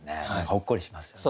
ほっこりしますよね。